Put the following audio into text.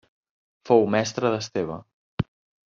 Fou mestre d'Esteve.